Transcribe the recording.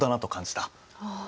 ああ。